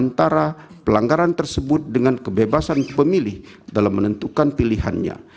antara pelanggaran tersebut dengan kebebasan pemilih dalam menentukan pilihannya